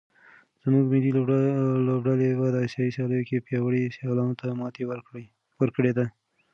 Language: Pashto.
زموږ ملي لوبډلې په اسیايي سیالیو کې پیاوړو سیالانو ته ماتې ورکړې ده.